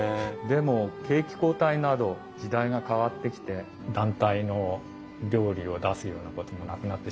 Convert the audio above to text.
でも景気後退など時代が変わってきて団体の料理を出すようなこともなくなってしまった。